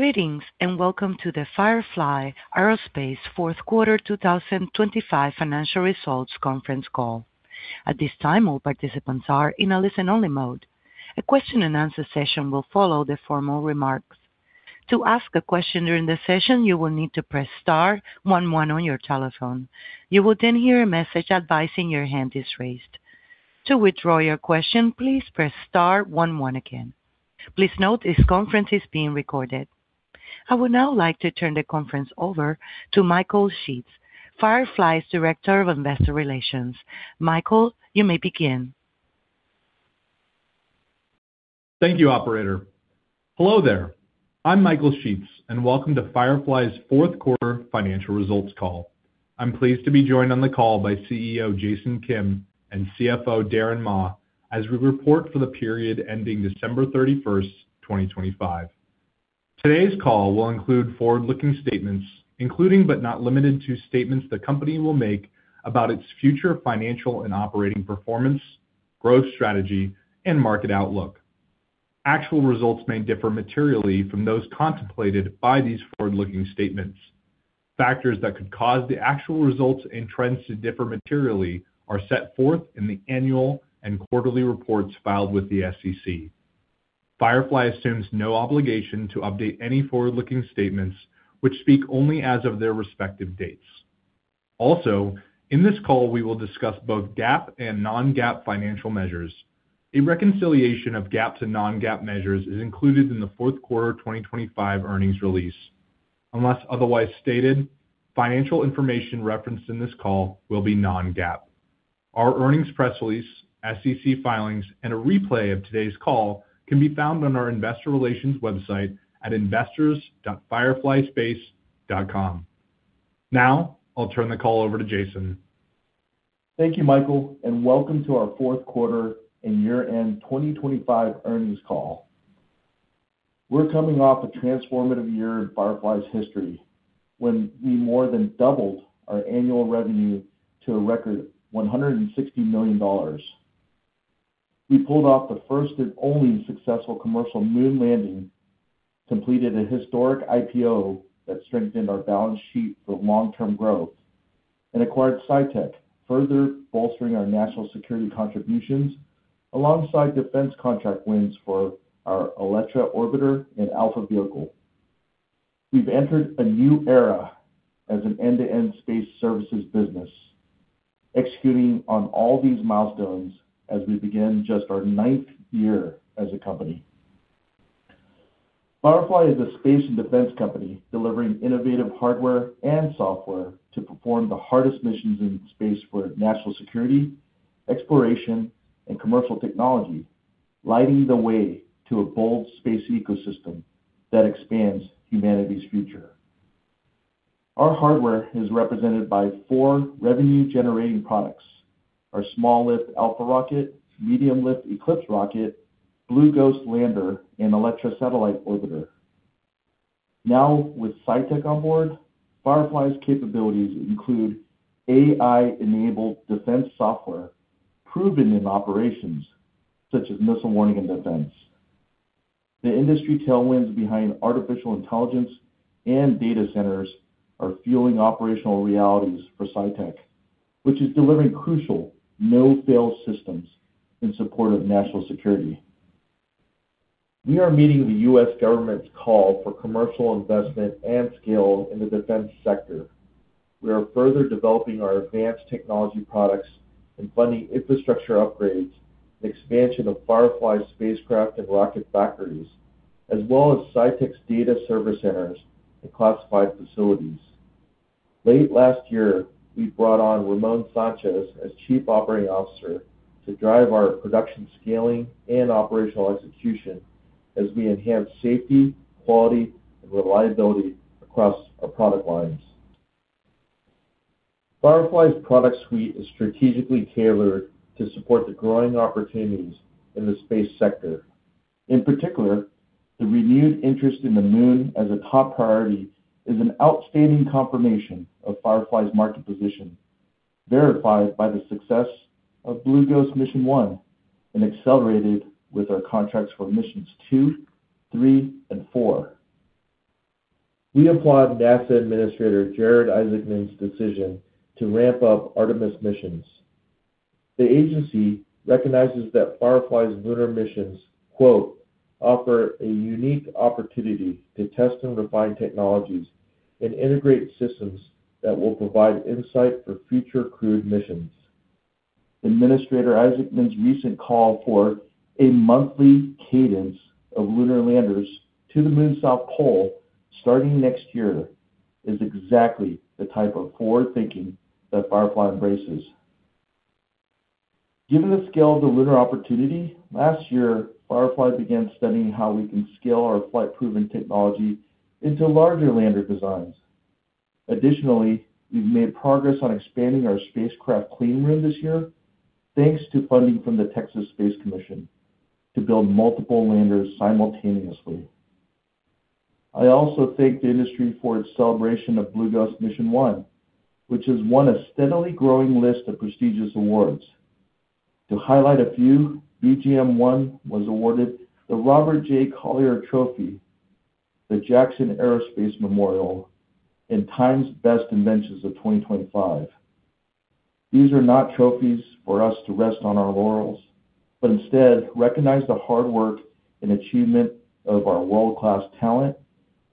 Greetings, and welcome to the Firefly Aerospace fourth quarter 2025 financial results conference call. At this time, all participants are in a listen-only mode. A question-and-answer session will follow the formal remarks. To ask a question during the session, you will need to press star one one on your telephone. You will then hear a message advising your hand is raised. To withdraw your question, please press star one one again. Please note this conference is being recorded. I would now like to turn the conference over to Michael Sheetz, Firefly's Director of Investor Relations. Michael, you may begin. Thank you, operator. Hello there. I'm Michael Sheetz, and welcome to Firefly's fourth quarter financial results call. I'm pleased to be joined on the call by CEO Jason Kim and CFO Darren Ma as we report for the period ending December 31, 2025. Today's call will include forward-looking statements, including, but not limited to, statements the company will make about its future financial and operating performance, growth strategy, and market outlook. Actual results may differ materially from those contemplated by these forward-looking statements. Factors that could cause the actual results and trends to differ materially are set forth in the annual and quarterly reports filed with the SEC. Firefly assumes no obligation to update any forward-looking statements which speak only as of their respective dates. Also, in this call, we will discuss both GAAP and non-GAAP financial measures. A reconciliation of GAAP to non-GAAP measures is included in the fourth quarter 2025 earnings release. Unless otherwise stated, financial information referenced in this call will be non-GAAP. Our earnings press release, SEC filings, and a replay of today's call can be found on our Investor Relations website at investors.fireflyspace.com. Now, I'll turn the call over to Jason. Thank you, Michael, and welcome to our fourth quarter and year-end 2025 earnings call. We're coming off a transformative year in Firefly's history when we more than doubled our annual revenue to a record $160 million. We pulled off the first and only successful commercial moon landing, completed a historic IPO that strengthened our balance sheet for long-term growth, and acquired SciTec, further bolstering our national security contributions alongside defense contract wins for our Elytra Orbiter and Alpha vehicle. We've entered a new era as an end-to-end space services business, executing on all these milestones as we begin just our ninth year as a company. Firefly is a space and defense company delivering innovative hardware and software to perform the hardest missions in space for national security, exploration, and commercial technology, lighting the way to a bold space ecosystem that expands humanity's future. Our hardware is represented by four revenue-generating products, our small-lift Alpha rocket, medium-lift Eclipse rocket, Blue Ghost lander, and Elytra satellite orbiter. Now, with SciTec on board, Firefly's capabilities include AI-enabled defense software proven in operations such as missile warning and defense. The industry tailwinds behind artificial intelligence and data centers are fueling operational realities for SciTec, which is delivering crucial no-fail systems in support of national security. We are meeting the U.S. government's call for commercial investment and scale in the defense sector. We are further developing our advanced technology products and funding infrastructure upgrades and expansion of Firefly's spacecraft and rocket factories, as well as SciTec's data service centers and classified facilities. Late last year, we brought on Ramon Sanchez as Chief Operating Officer to drive our production scaling and operational execution as we enhance safety, quality, and reliability across our product lines. Firefly's product suite is strategically tailored to support the growing opportunities in the space sector. In particular, the renewed interest in the Moon as a top priority is an outstanding confirmation of Firefly's market position, verified by the success of Blue Ghost Mission 1 and accelerated with our contracts for Missions 2, 3, and 4. We applaud NASA Administrator Bill Nelson's decision to ramp up Artemis missions. The agency recognizes that Firefly's lunar missions, quote, "offer a unique opportunity to test and refine technologies and integrate systems that will provide insight for future crewed missions." Administrator Nelson's recent call for a monthly cadence of lunar landers to the lunar south pole starting next year is exactly the type of forward-thinking that Firefly embraces. Given the scale of the lunar opportunity, last year, Firefly began studying how we can scale our flight-proven technology into larger lander designs. Additionally, we've made progress on expanding our spacecraft clean room this year, thanks to funding from the Texas Space Commission to build multiple landers simultaneously. I also thank the industry for its celebration of Blue Ghost Mission 1, which has won a steadily growing list of prestigious awards. To highlight a few, BGM-1 was awarded the Robert J. Collier Trophy, the Nelson P. Jackson Aerospace Award, and TIME's Best Inventions of 2025. These are not trophies for us to rest on our laurels, but instead recognize the hard work and achievement of our world-class talent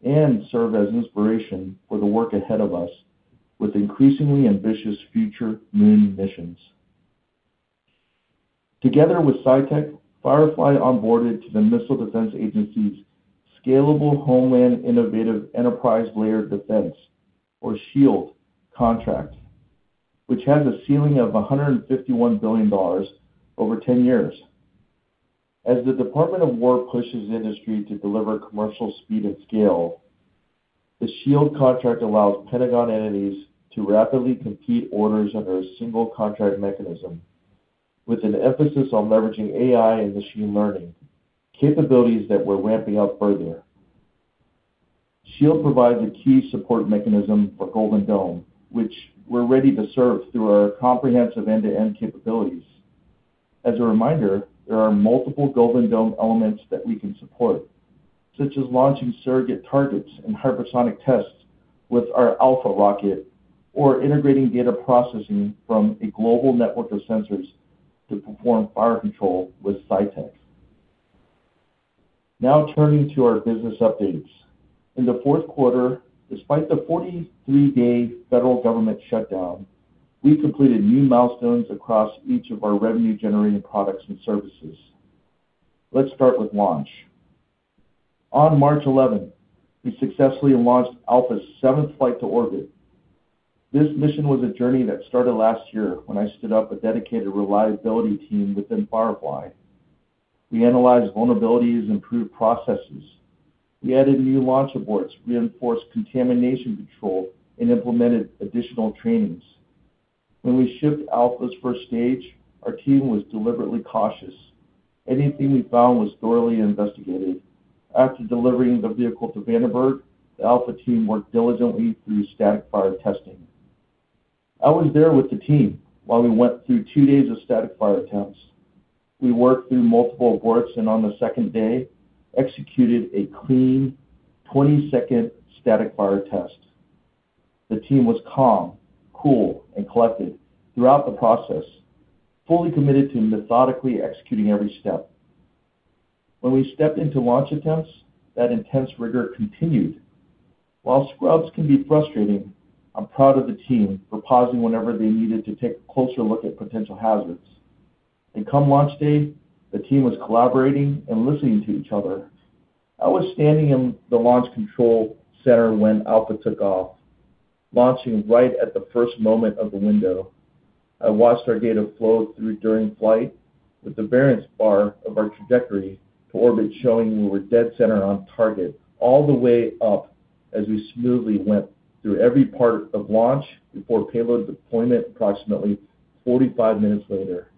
and serve as inspiration for the work ahead of us with increasingly ambitious future moon missions. Together with SciTec, Firefly onboarded to the Missile Defense Agency's Scalable Homeland Innovative Enterprise Layer Defense, or SHIELD contract, which has a ceiling of $151 billion over 10 years. As the Department of War pushes industry to deliver commercial speed and scale, the SHIELD contract allows Pentagon entities to rapidly compete orders under a single contract mechanism with an emphasis on leveraging AI and machine learning, capabilities that we're ramping up further. SHIELD provides a key support mechanism for Golden Dome, which we're ready to serve through our comprehensive end-to-end capabilities. As a reminder, there are multiple Golden Dome elements that we can support, such as launching surrogate targets and hypersonic tests with our Alpha rocket or integrating data processing from a global network of sensors to perform fire control with SciTec. Now turning to our business updates. In the fourth quarter, despite the 43-day federal government shutdown, we completed new milestones across each of our revenue-generating products and services. Let's start with launch. On March 11, we successfully launched Alpha's seventh flight to orbit. This mission was a journey that started last year when I stood up a dedicated reliability team within Firefly. We analyzed vulnerabilities, improved processes. We added new launch aborts, reinforced contamination control, and implemented additional trainings. When we shipped Alpha's first stage, our team was deliberately cautious. Anything we found was thoroughly investigated. After delivering the vehicle to Vandenberg, the Alpha team worked diligently through static fire testing. I was there with the team while we went through two days of static fire attempts. We worked through multiple aborts, and on the second day, executed a clean 20-second static fire test. The team was calm, cool, and collected throughout the process, fully committed to methodically executing every step. When we stepped into launch attempts, that intense rigor continued. While scrubs can be frustrating, I'm proud of the team for pausing whenever they needed to take a closer look at potential hazards. Come launch day, the team was collaborating and listening to each other. I was standing in the launch control center when Alpha took off, launching right at the first moment of the window. I watched our data flow through during flight with the variance bar of our trajectory to orbit showing we were dead center on target all the way up as we smoothly went through every part of launch before payload deployment approximately 45 minutes later.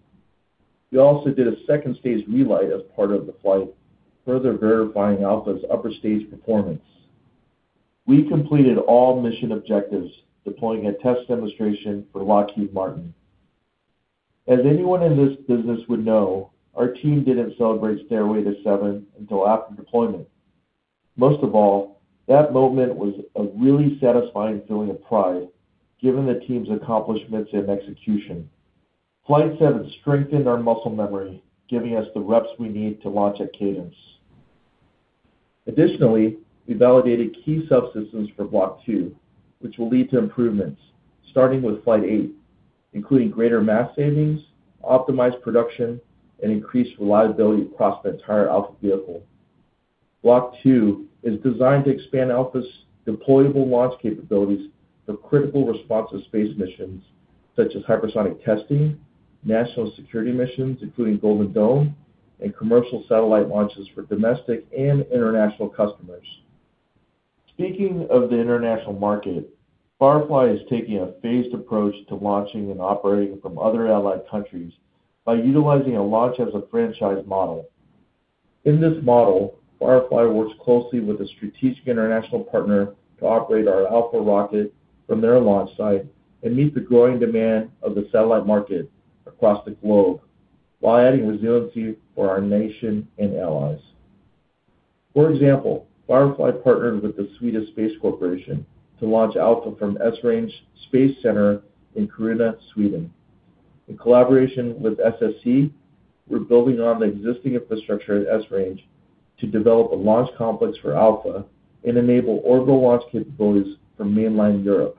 We also did a second-stage relight as part of the flight, further verifying Alpha's upper stage performance. We completed all mission objectives, deploying a test demonstration for Lockheed Martin. As anyone in this business would know, our team didn't celebrate Stairway to Seven until after deployment. Most of all, that moment was a really satisfying feeling of pride given the team's accomplishments and execution. Flight 7 strengthened our muscle memory, giving us the reps we need to launch at cadence. Additionally, we validated key subsystems for Block II, which will lead to improvements starting with Flight 8, including greater mass savings, optimized production, and increased reliability across the entire Alpha vehicle. Block II is designed to expand Alpha's deployable launch capabilities for critical responsive space missions such as hypersonic testing, national security missions, including Golden Dome, and commercial satellite launches for domestic and international customers. Speaking of the international market, Firefly is taking a phased approach to launching and operating from other allied countries by utilizing a launch-as-a-franchise model. In this model, Firefly works closely with a strategic international partner to operate our Alpha rocket from their launch site and meet the growing demand of the satellite market across the globe while adding resiliency for our nation and allies. For example, Firefly partnered with the Swedish Space Corporation to launch Alpha from Esrange Space Center in Kiruna, Sweden. In collaboration with SSC, we're building on the existing infrastructure at Esrange to develop a launch complex for Alpha and enable orbital launch capabilities from mainland Europe.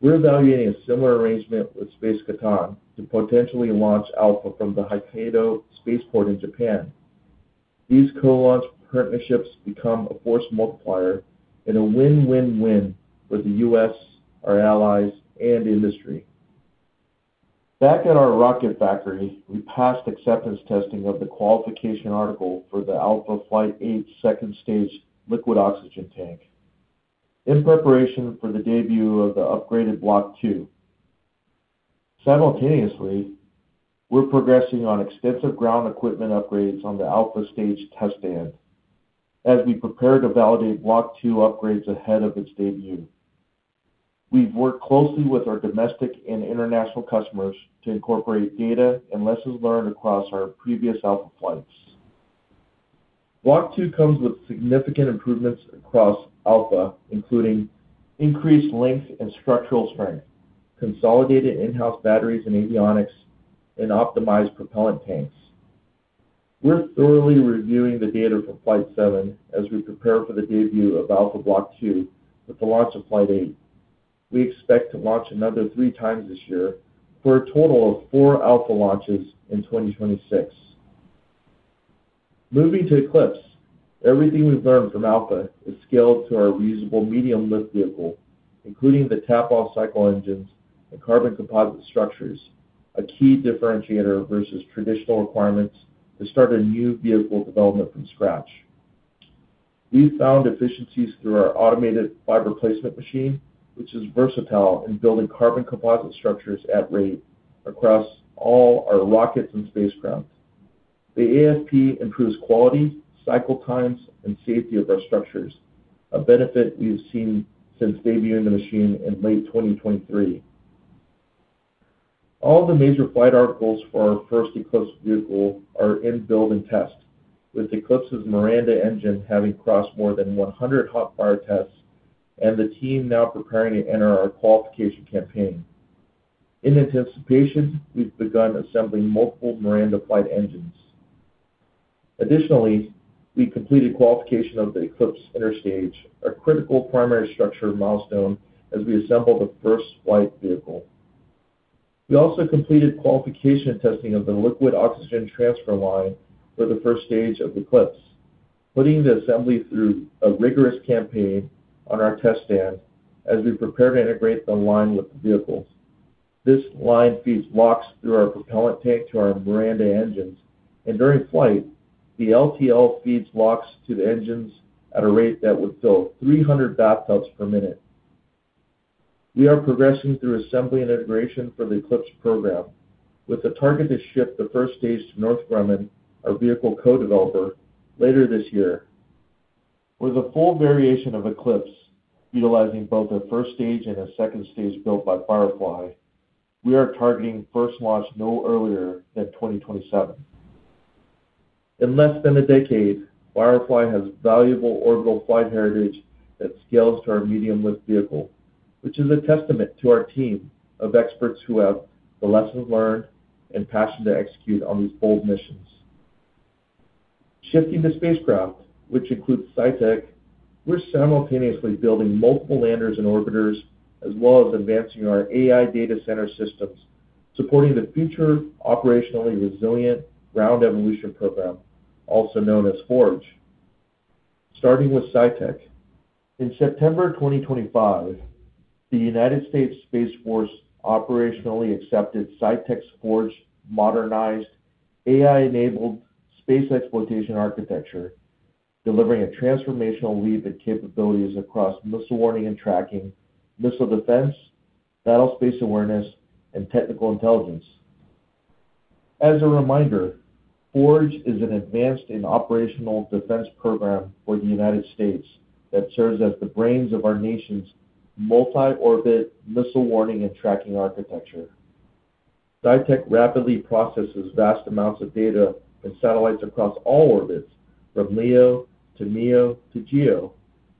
We're evaluating a similar arrangement with SPACE COTAN to potentially launch Alpha from the Hokkaido Spaceport in Japan. These co-launch partnerships become a force multiplier and a win-win-win for the U.S., our allies, and industry. Back at our rocket factory, we passed acceptance testing of the qualification article for the Alpha Flight 8 second-stage liquid oxygen tank in preparation for the debut of the upgraded Block 2. Simultaneously, we're progressing on extensive ground equipment upgrades on the Alpha stage test stand as we prepare to validate Block II upgrades ahead of its debut. We've worked closely with our domestic and international customers to incorporate data and lessons learned across our previous Alpha flights. Block II comes with significant improvements across Alpha, including increased length and structural strength, consolidated in-house batteries and avionics, and optimized propellant tanks. We're thoroughly reviewing the data from Flight 7 as we prepare for the debut of Alpha Block II with the launch of Flight 8. We expect to launch another three times this year for a total of 4 Alpha launches in 2026. Moving to Eclipse. Everything we've learned from Alpha is scaled to our reusable medium-lift vehicle, including the tap-off cycle engines and carbon composite structures, a key differentiator versus traditional requirements to start a new vehicle development from scratch. We found efficiencies through our automated fiber placement machine, which is versatile in building carbon composite structures at rate across all our rockets and spacecraft. The AFP improves quality, cycle times, and safety of our structures, a benefit we've seen since debuting the machine in late 2023. All the major flight articles for our first Eclipse vehicle are in build and test, with Eclipse's Miranda engine having crossed more than 100 hot fire tests and the team now preparing to enter our qualification campaign. In anticipation, we've begun assembling multiple Miranda flight engines. Additionally, we completed qualification of the Eclipse interstage, a critical primary structure milestone as we assemble the first flight vehicle. We also completed qualification testing of the liquid oxygen transfer line for the first stage of Eclipse, putting the assembly through a rigorous campaign on our test stand as we prepare to integrate the line with the vehicles. This line feeds LOX through our propellant tank to our Miranda engines, and during flight, the LTL feeds LOX to the engines at a rate that would fill 300 bathtubs per minute. We are progressing through assembly and integration for the Eclipse program with the target to ship the first stage to Northrop Grumman, our vehicle co-developer, later this year. With a full variation of Eclipse utilizing both a first stage and a second stage built by Firefly, we are targeting first launch no earlier than 2027. In less than a decade, Firefly has valuable orbital flight heritage that scales to our medium-lift vehicle, which is a testament to our team of experts who have the lessons learned and passion to execute on these bold missions. Shifting to spacecraft, which includes SciTec, we're simultaneously building multiple landers and orbiters as well as advancing our AI data center systems supporting the Future Operationally Resilient Ground Evolution program, also known as FORGE. Starting with SciTec. In September 2025, the United States Space Force operationally accepted SciTec's FORGE modernized AI-enabled space exploitation architecture, delivering a transformational leap in capabilities across missile warning and tracking, missile defense, battle space awareness, and technical intelligence. As a reminder, FORGE is an advanced and operational defense program for the United States that serves as the brains of our nation's multi-orbit missile warning and tracking architecture. SciTec rapidly processes vast amounts of data and satellites across all orbits, from LEO to MEO to GEO,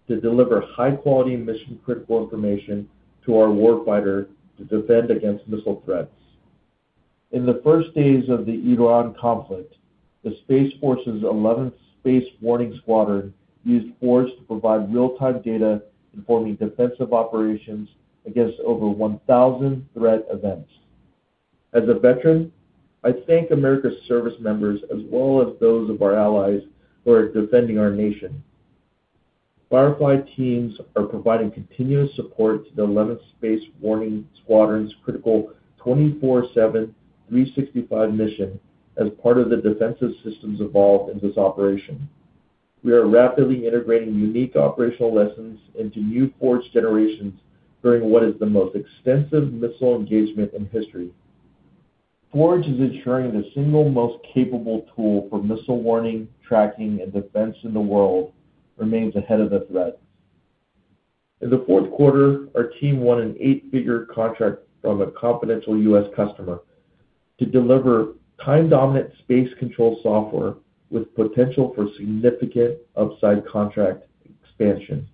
to deliver high-quality mission-critical information to our warfighter to defend against missile threats. In the first days of the Iran conflict, the Space Force's 11th Space Warning Squadron used FORGE to provide real-time data informing defensive operations against over 1,000 threat events. As a veteran, I thank America's service members as well as those of our allies who are defending our nation. Firefly teams are providing continuous support to the 11th Space Warning Squadron's critical 24/7, 365 mission as part of the defensive systems involved in this operation. We are rapidly integrating unique operational lessons into new FORGE generations during what is the most extensive missile engagement in history. FORGE is ensuring the single most capable tool for missile warning, tracking, and defense in the world remains ahead of the threat. In the fourth quarter, our team won an eight-figure contract from a confidential U.S. customer to deliver time-dominant space control software with potential for significant upside contract expansion.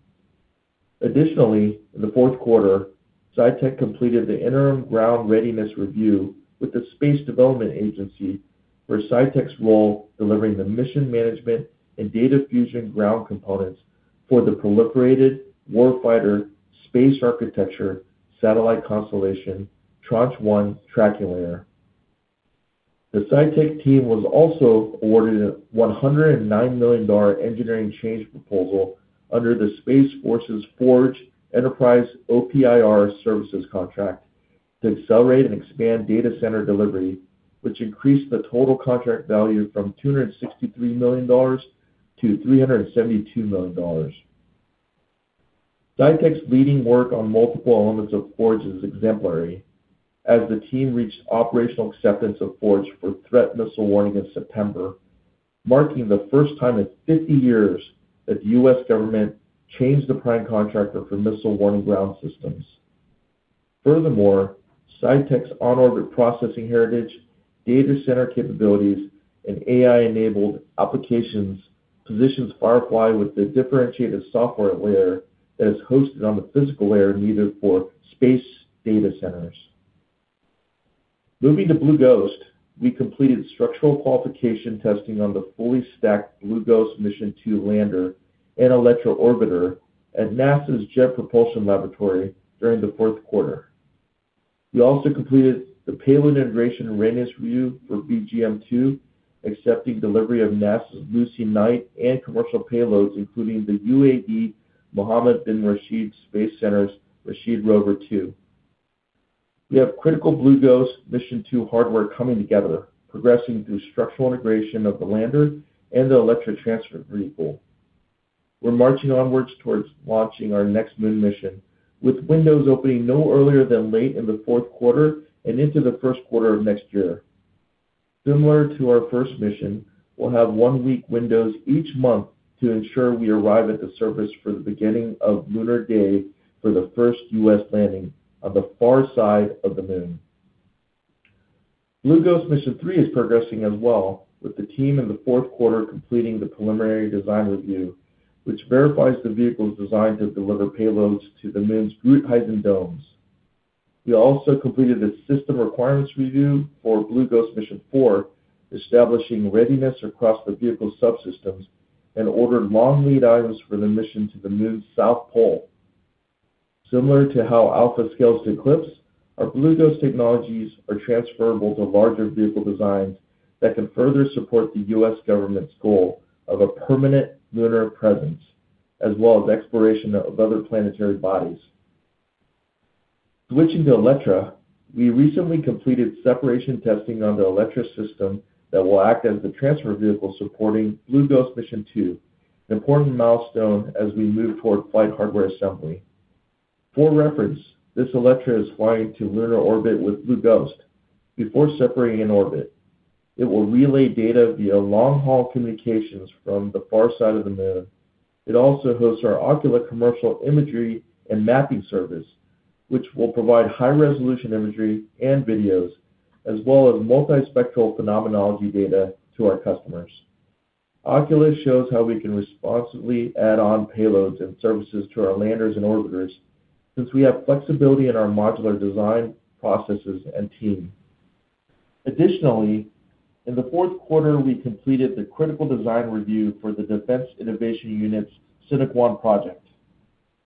Additionally, in the fourth quarter, SciTec completed the interim ground readiness review with the Space Development Agency for SciTec's role delivering the mission management and data fusion ground components for the Proliferated Warfighter Space Architecture satellite constellation Tranche 1 Tracking Layer. The SciTec team was also awarded a $109 million engineering change proposal under the Space Force's FORGE Enterprise OPIR services contract to accelerate and expand data center delivery, which increased the total contract value from $263 million to $372 million. SciTec's leading work on multiple elements of FORGE is exemplary as the team reached operational acceptance of FORGE for threat missile warning in September. Marking the first time in 50 years that the U.S. government changed the prime contractor for missile warning ground systems. Furthermore, SciTec's on-orbit processing heritage, data center capabilities, and AI-enabled applications positions Firefly with the differentiated software layer that is hosted on the physical layer needed for space data centers. Moving to Blue Ghost, we completed structural qualification testing on the fully stacked Blue Ghost Mission 2 lander and Elytra orbiter at NASA's Jet Propulsion Laboratory during the fourth quarter. We also completed the payload integration and readiness review for BGM-2, accepting delivery of NASA's LuSEE-Night and commercial payloads, including the UAE Mohammed bin Rashid Space Centre's Rashid Rover 2. We have critical Blue Ghost Mission 2 hardware coming together, progressing through structural integration of the lander and the electric transfer vehicle. We're marching onwards towards launching our next Moon mission, with windows opening no earlier than late in the fourth quarter and into the first quarter of next year. Similar to our first mission, we'll have one-week windows each month to ensure we arrive at the surface for the beginning of lunar day for the first U.S. landing on the far side of the Moon. Blue Ghost Mission 3 is progressing as well, with the team in the fourth quarter completing the preliminary design review, which verifies the vehicle's design to deliver payloads to the Moon's Gruithuisen Domes. We also completed a system requirements review for Blue Ghost Mission 4, establishing readiness across the vehicle subsystems, and ordered long lead items for the mission to the Moon's South Pole. Similar to how Alpha scales to Eclipse, our Blue Ghost technologies are transferable to larger vehicle designs that can further support the U.S. government's goal of a permanent lunar presence, as well as exploration of other planetary bodies. Switching to Elytra, we recently completed separation testing on the Elytra system that will act as the transfer vehicle supporting Blue Ghost Mission 2, an important milestone as we move toward flight hardware assembly. For reference, this Elytra is flying to lunar orbit with Blue Ghost before separating in orbit. It will relay data via long-haul communications from the far side of the Moon. It also hosts our Ocula commercial imagery and mapping service, which will provide high-resolution imagery and videos as well as multispectral phenomenology data to our customers. Ocula shows how we can responsibly add on payloads and services to our landers and orbiters since we have flexibility in our modular design processes and team. Additionally, in the fourth quarter, we completed the critical design review for the Defense Innovation Unit's SINEQUONE project,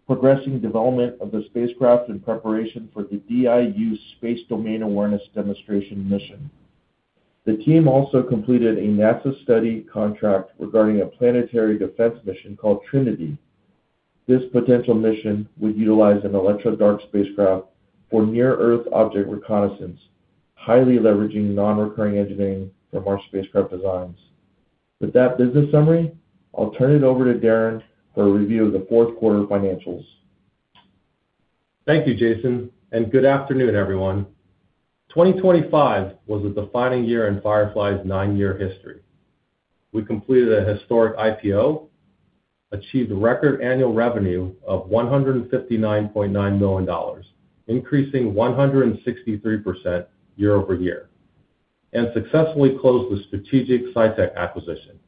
progressing development of the spacecraft in preparation for the DIU's Space Domain Awareness demonstration mission. The team also completed a NASA study contract regarding a planetary defense mission called Trinity. This potential mission would utilize an Elytra Dark spacecraft for near Earth object reconnaissance, highly leveraging non-recurring engineering from our spacecraft designs. With that business summary, I'll turn it over to Darren for a review of the fourth quarter financials. Thank you, Jason, and good afternoon, everyone. 2025 was a defining year in Firefly's nine-year history. We completed a historic IPO, achieved record annual revenue of $159.9 million, increasing 163% year-over-year, and successfully closed the strategic SciTec acquisition,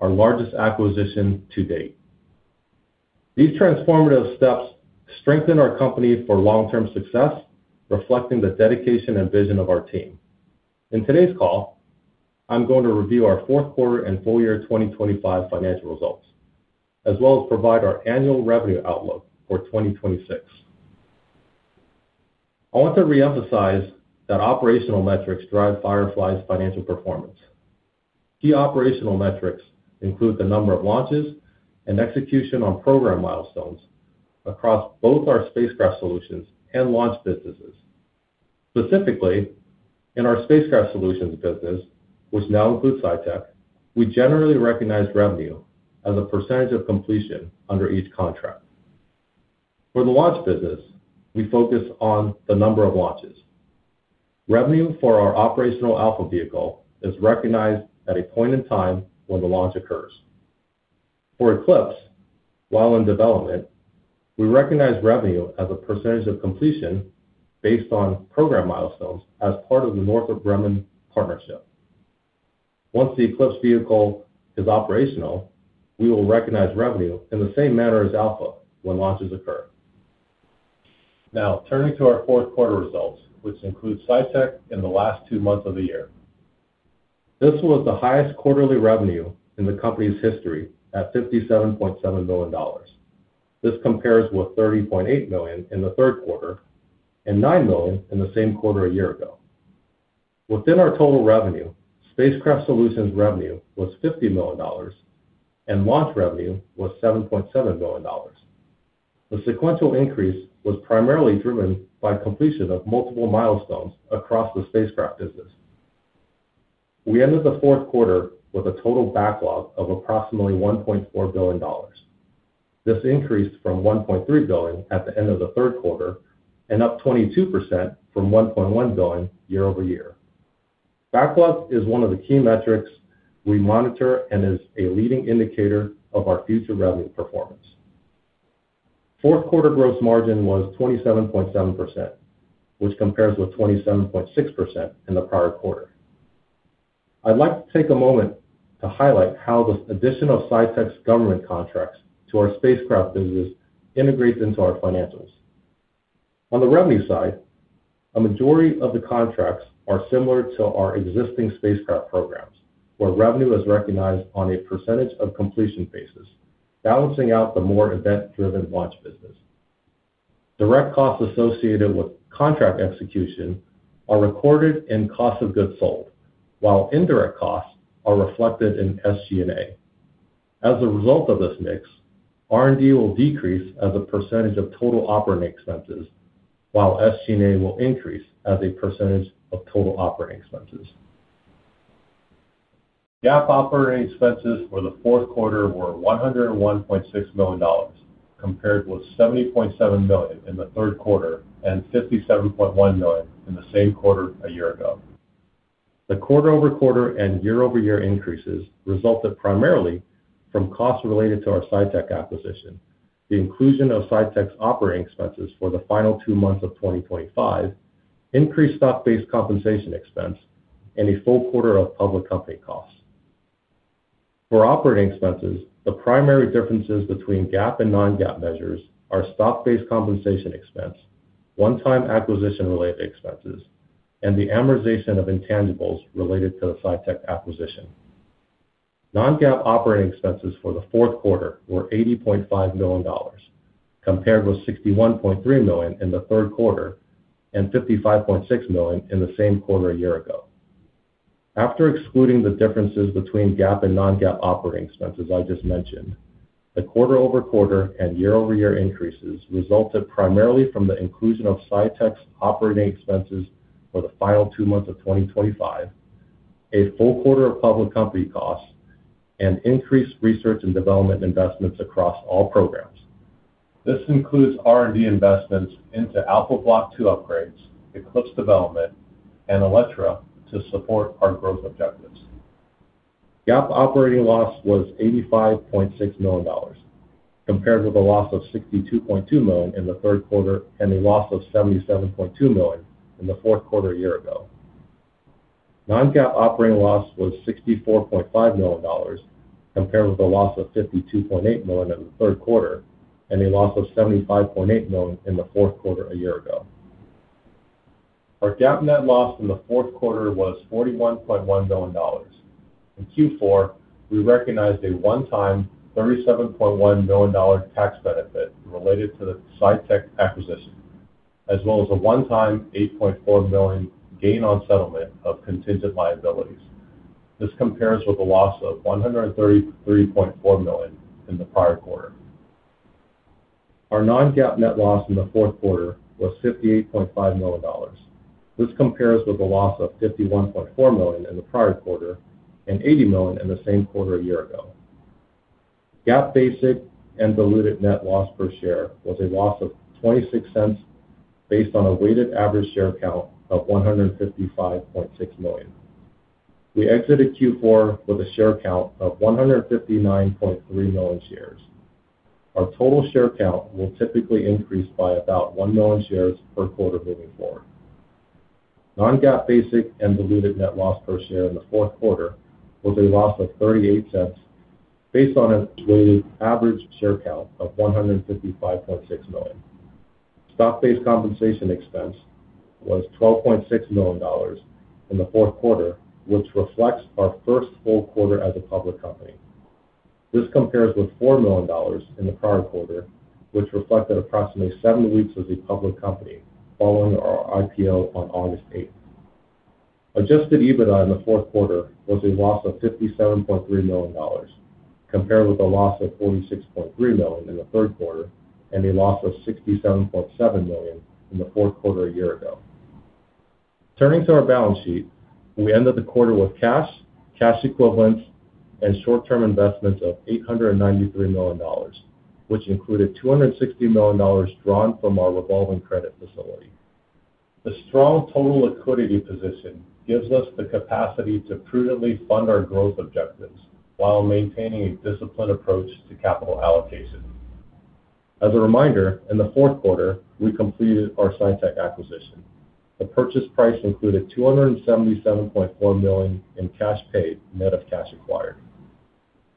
our largest acquisition to date. These transformative steps strengthen our company for long-term success, reflecting the dedication and vision of our team. In today's call, I'm going to review our fourth quarter and full year 2025 financial results, as well as provide our annual revenue outlook for 2026. I want to reemphasize that operational metrics drive Firefly's financial performance. Key operational metrics include the number of launches and execution on program milestones across both our spacecraft solutions and launch businesses. Specifically, in our spacecraft solutions business, which now includes SciTec, we generally recognize revenue as a percentage of completion under each contract. For the launch business, we focus on the number of launches. Revenue for our operational Alpha vehicle is recognized at a point in time when the launch occurs. For Eclipse, while in development, we recognize revenue as a percentage of completion based on program milestones as part of the Northrop Grumman partnership. Once the Eclipse vehicle is operational, we will recognize revenue in the same manner as Alpha when launches occur. Now turning to our fourth quarter results, which include SciTec in the last two months of the year. This was the highest quarterly revenue in the company's history at $57.7 million. This compares with $30.8 million in the third quarter and $9 million in the same quarter a year ago. Within our total revenue, spacecraft solutions revenue was $50 million and launch revenue was $7.7 million. The sequential increase was primarily driven by completion of multiple milestones across the spacecraft business. We ended the fourth quarter with a total backlog of approximately $1.4 billion. This increased from $1.3 billion at the end of the third quarter and up 22% from $1.1 billion year over year. Backlog is one of the key metrics we monitor and is a leading indicator of our future revenue performance. Fourth quarter gross margin was 27.7%, which compares with 27.6% in the prior quarter. I'd like to take a moment to highlight how the addition of SciTec's government contracts to our spacecraft business integrates into our financials. On the revenue side, a majority of the contracts are similar to our existing spacecraft programs, where revenue is recognized on a percentage of completion basis, balancing out the more event-driven launch business. Direct costs associated with contract execution are recorded in cost of goods sold, while indirect costs are reflected in SG&A. As a result of this mix, R&D will decrease as a percentage of total operating expenses, while SG&A will increase as a percentage of total operating expenses. GAAP operating expenses for the fourth quarter were $101.6 million, compared with $70.7 million in the third quarter and $57.1 million in the same quarter a year ago. The quarter-over-quarter and year-over-year increases resulted primarily from costs related to our SciTec acquisition, the inclusion of SciTec's operating expenses for the final two months of 2025, increased stock-based compensation expense, and a full quarter of public company costs. For operating expenses, the primary differences between GAAP and non-GAAP measures are stock-based compensation expense, one-time acquisition-related expenses, and the amortization of intangibles related to the SciTec acquisition. Non-GAAP operating expenses for the fourth quarter were $80.5 million, compared with $61.3 million in the third quarter and $55.6 million in the same quarter a year ago. After excluding the differences between GAAP and non-GAAP operating expenses I just mentioned, the quarter-over-quarter and year-over-year increases resulted primarily from the inclusion of SciTec's operating expenses for the final two months of 2025, a full quarter of public company costs, and increased research and development investments across all programs. This includes R&D investments into Alpha Block II upgrades, Eclipse development, and Elytra to support our growth objectives. GAAP operating loss was $85.6 million, compared with a loss of $62.2 million in the third quarter and a loss of $77.2 million in the fourth quarter a year ago. Non-GAAP operating loss was $64.5 million, compared with a loss of $52.8 million in the third quarter and a loss of $75.8 million in the fourth quarter a year ago. Our GAAP net loss in the fourth quarter was $41.1 million. In Q4, we recognized a one-time $37.1 million tax benefit related to the SciTec acquisition, as well as a one-time $8.4 million gain on settlement of contingent liabilities. This compares with a loss of $133.4 million in the prior quarter. Our non-GAAP net loss in the fourth quarter was $58.5 million. This compares with a loss of $51.4 million in the prior quarter and $80 million in the same quarter a year ago. GAAP basic and diluted net loss per share was a loss of $0.26 based on a weighted average share count of 155.6 million. We exited Q4 with a share count of 159.3 million shares. Our total share count will typically increase by about 1 million shares per quarter moving forward. Non-GAAP basic and diluted net loss per share in the fourth quarter was a loss of $0.38 based on a weighted average share count of 155.6 million. Stock-based compensation expense was $12.6 million in the fourth quarter, which reflects our first full quarter as a public company. This compares with $4 million in the prior quarter, which reflected approximately seven weeks as a public company following our IPO on August eighth. Adjusted EBITDA in the fourth quarter was a loss of $57.3 million, compared with a loss of $46.3 million in the third quarter and a loss of $67.7 million in the fourth quarter a year ago. Turning to our balance sheet, we ended the quarter with cash equivalents and short-term investments of $893 million, which included $260 million drawn from our revolving credit facility. The strong total liquidity position gives us the capacity to prudently fund our growth objectives while maintaining a disciplined approach to capital allocation. As a reminder, in the fourth quarter, we completed our SciTec acquisition. The purchase price included $277.4 million in cash paid, net of cash acquired.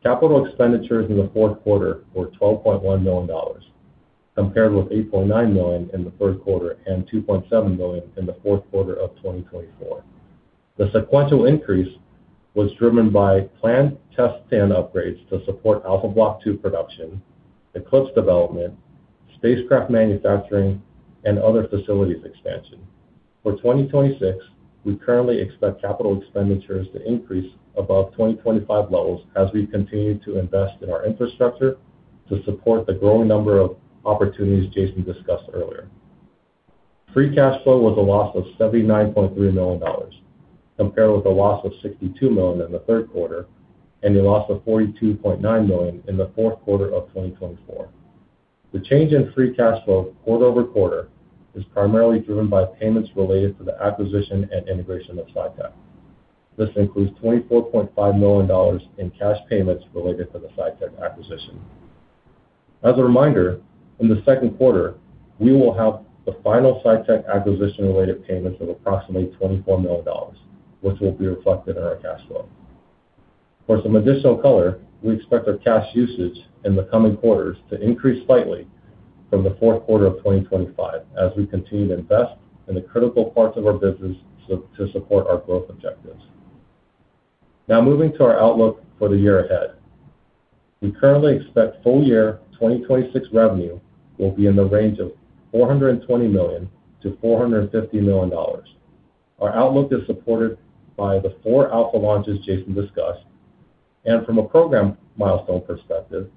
Capital expenditures in the fourth quarter were $12.1 million, compared with $8.9 million in the third quarter and $2.7 million in the fourth quarter of 2024. The sequential increase was driven by planned test stand upgrades to support Alpha Block II production, Eclipse development, spacecraft manufacturing, and other facilities expansion. For 2026, we currently expect capital expenditures to increase above 2025 levels as we continue to invest in our infrastructure to support the growing number of opportunities Jason discussed earlier. Free cash flow was a loss of $79.3 million, compared with a loss of $62 million in the third quarter and a loss of $42.9 million in the fourth quarter of 2024. The change in free cash flow quarter-over-quarter is primarily driven by payments related to the acquisition and integration of SciTec. This includes $24.5 million in cash payments related to the SciTec acquisition. As a reminder, in the second quarter, we will have the final SciTec acquisition-related payments of approximately $24 million, which will be reflected in our cash flow. For some additional color, we expect our cash usage in the coming quarters to increase slightly from the fourth quarter of 2025 as we continue to invest in the critical parts of our business to support our growth objectives. Now moving to our outlook for the year ahead. We currently expect full year 2026 revenue will be in the range of $420 million-$450 million. Our outlook is supported by the four Alpha launches Jason discussed. From a program milestone perspective,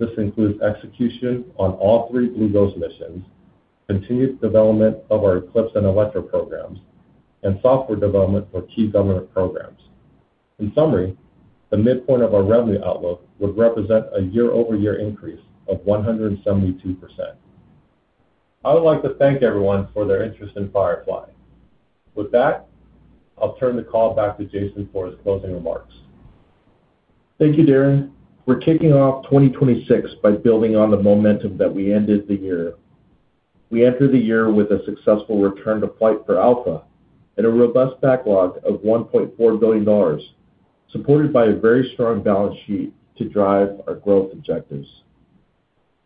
this includes execution on all three Blue Ghost missions, continued development of our Eclipse and Elytra programs, and software development for key government programs. In summary, the midpoint of our revenue outlook would represent a year-over-year increase of 172%. I would like to thank everyone for their interest in Firefly. With that, I'll turn the call back to Jason for his closing remarks. Thank you, Darren. We're kicking off 2026 by building on the momentum that we ended the year. We entered the year with a successful return to flight for Alpha and a robust backlog of $1.4 billion, supported by a very strong balance sheet to drive our growth objectives.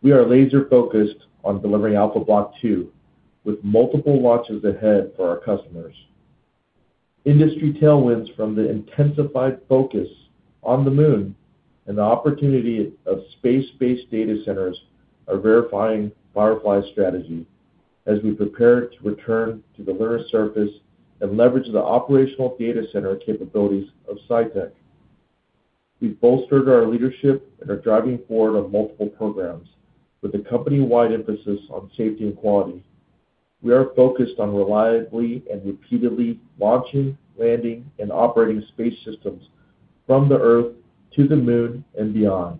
We are laser-focused on delivering Alpha Block II with multiple launches ahead for our customers. Industry tailwinds from the intensified focus on the moon and the opportunity of space-based data centers are verifying Firefly's strategy as we prepare to return to the lunar surface and leverage the operational data center capabilities of SciTec. We've bolstered our leadership and are driving forward on multiple programs with a company-wide emphasis on safety and quality. We are focused on reliably and repeatedly launching, landing, and operating space systems from the Earth to the Moon and beyond.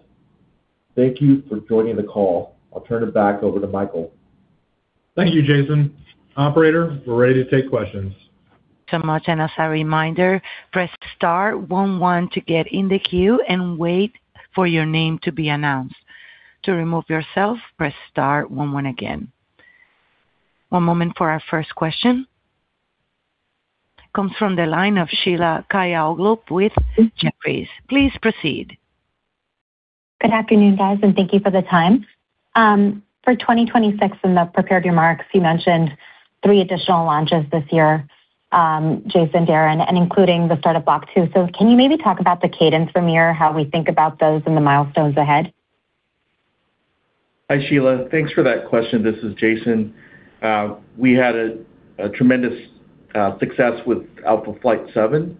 Thank you for joining the call. I'll turn it back over to Michael. Thank you, Jason. Operator, we're ready to take questions. So much. As a reminder, press star one one to get in the queue and wait for your name to be announced. To remove yourself, press star one one again. One moment for our first question. Comes from the line of Sheila Kahyaoglu with Jefferies. Please proceed. Good afternoon, guys, and thank you for the time. For 2026 in the prepared remarks, you mentioned three additional launches this year, Jason, Darren, and including the start of Block II. Can you maybe talk about the cadence from here, how we think about those and the milestones ahead? Hi, Sheila. Thanks for that question. This is Jason. We had a tremendous success with Alpha Flight 7.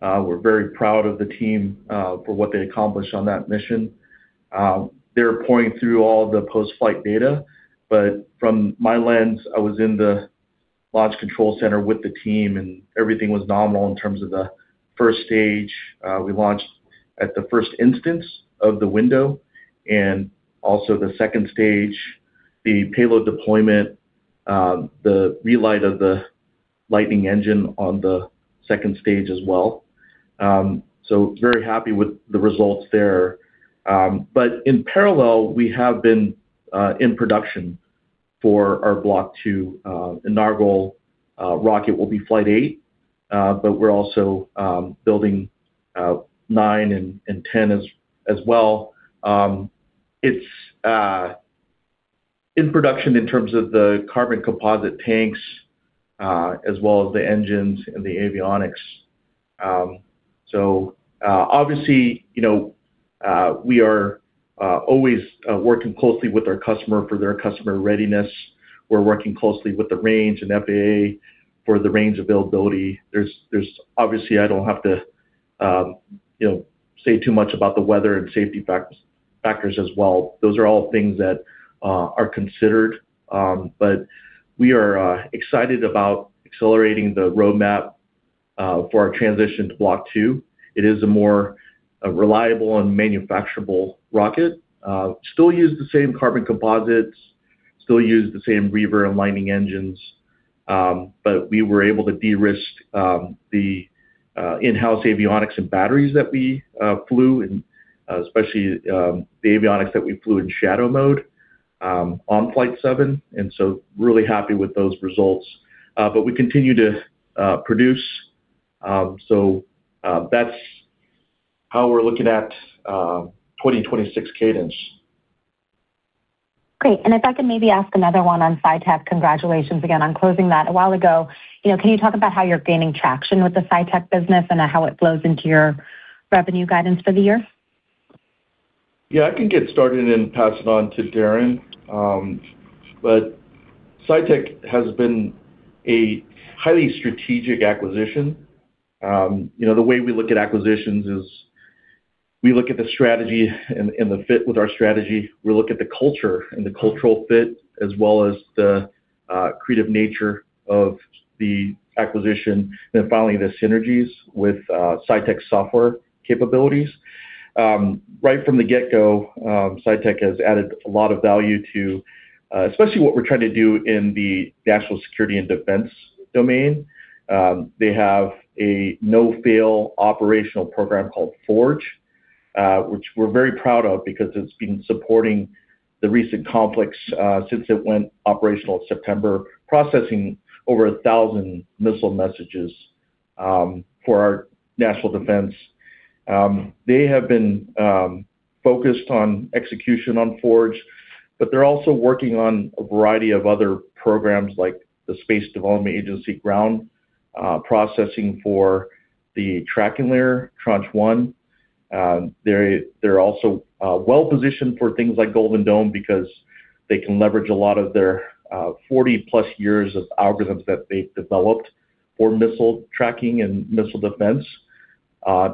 We're very proud of the team for what they accomplished on that mission. They're poring through all the post-flight data, but from my lens, I was in the launch control center with the team, and everything was nominal in terms of the first stage. We launched at the first instance of the window and also the second stage, the payload deployment, the relight of the Lightning engine on the second stage as well. Very happy with the results there. In parallel, we have been in production for our Block II. Inaugural rocket will be Flight 8, but we're also building 9 and 10 as well. It's in production in terms of the carbon composite tanks, as well as the engines and the avionics. Obviously, we are always working closely with our customer for their customer readiness. We're working closely with the range and FAA for the range availability. Obviously I don't have to say too much about the weather and safety factors as well. Those are all things that are considered. We are excited about accelerating the roadmap for our transition to Block II. It is a more reliable and manufacturable rocket. Still use the same carbon composites, still use the same Reaver and Lightning engines, but we were able to de-risk the in-house avionics and batteries that we flew and especially the avionics that we flew in shadow mode on Flight 7, and so really happy with those results. We continue to produce. That's how we're looking at 2026 cadence. Great. If I could maybe ask another one on SciTec. Congratulations again on closing that a while ago. Can you talk about how you're gaining traction with the SciTec business and how it flows into your revenue guidance for the year? Yeah, I can get started and pass it on to Darren. SciTec has been a highly strategic acquisition. The way we look at acquisitions is we look at the strategy and the fit with our strategy. We look at the culture and the cultural fit as well as the creative nature of the acquisition. Finally, the synergies with SciTec software capabilities. Right from the get-go, SciTec has added a lot of value to especially what we're trying to do in the national security and defense domain. They have a no-fail operational program called FORGE, which we're very proud of because it's been supporting the recent conflicts since it went operational in September, processing over 1,000 missile messages for our national defense. They have been focused on execution on FORGE, but they're also working on a variety of other programs like the Space Development Agency ground processing for the tracking layer, Tranche 1. They're also well-positioned for things like Golden Dome because they can leverage a lot of their 40+ years of algorithms that they've developed for missile tracking and missile defense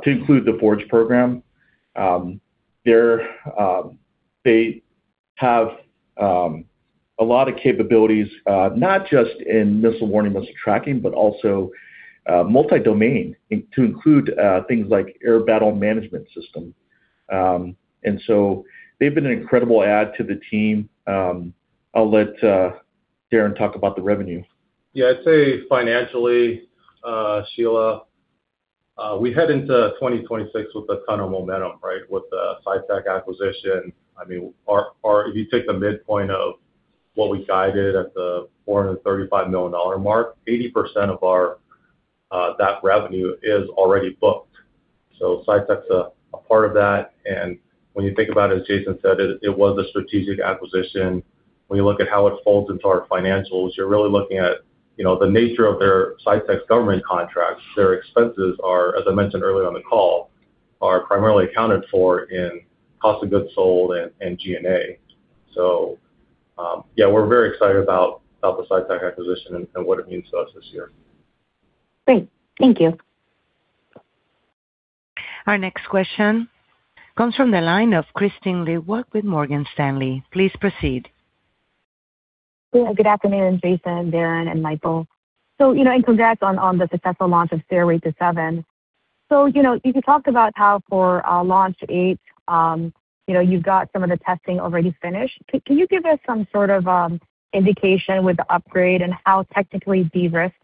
to include the FORGE program. They have a lot of capabilities not just in missile warning, missile tracking, but also multi-domain to include things like air battle management system. They've been an incredible add to the team. I'll let Darren talk about the revenue. Yeah. I'd say financially, Sheila, we head into 2026 with a ton of momentum, right? With the SciTec acquisition. I mean, our. If you take the midpoint of what we guided at the $435 million mark, 80% of our that revenue is already booked. So SciTec's a part of that. And when you think about it, as Jason said, it was a strategic acquisition. When you look at how it folds into our financials, you're really looking at, the nature of their SciTec government contracts. Their expenses, as I mentioned earlier on the call, are primarily accounted for in cost of goods sold and G&A. So, yeah, we're very excited about the SciTec acquisition and what it means to us this year. Great. Thank you. Our next question comes from the line of Kristine Liwag with Morgan Stanley. Please proceed. Good afternoon, Jason, Darren, and Michael. Congrats on the successful launch of Alpha Flight 7. You can talk about how for launch eight, you've got some of the testing already finished. Can you give us some sort of indication with the upgrade and how technically de-risked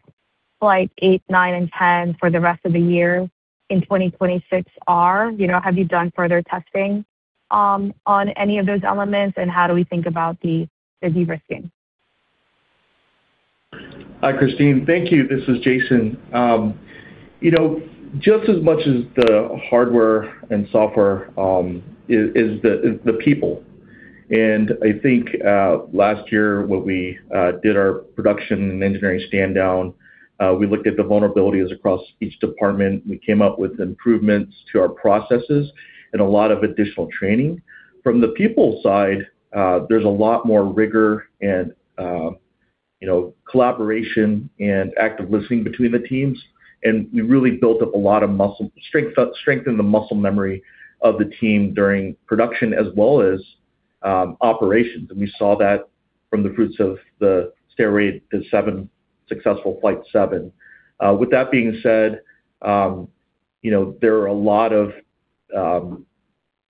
Flight 8, 9, and 10 for the rest of the year in 2026 are? Have you done further testing on any of those elements, and how do we think about the de-risking? Hi, Kristine. Thank you. This is Jason. Just as much as the hardware and software is the people. I think last year, when we did our production and engineering standdown, we looked at the vulnerabilities across each department. We came up with improvements to our processes and a lot of additional training. From the people side, there's a lot more rigor and collaboration and active listening between the teams. We really built up a lot of muscle strength in the muscle memory of the team during production as well as operations. We saw that from the fruits of the successful Flight 7. With that being said there are a lot of